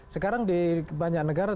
sekarang di banyak negara